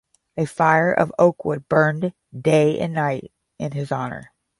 A fire of oak wood burned day and night in his honor.